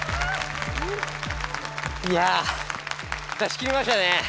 いや出しきりましたね。